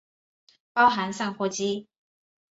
包含散货机。